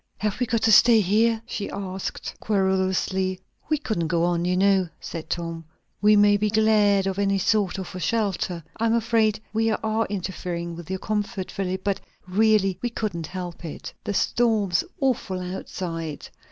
"Have we got to stay here?" she asked querulously. "We couldn't go on, you know," said Tom. "We may be glad of any sort of a shelter. I am afraid we are interfering with your comfort, Philip; but really, we couldn't help it. The storm's awful outside.